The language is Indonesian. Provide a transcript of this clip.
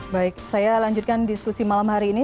baik saya lanjutkan diskusi malam hari ini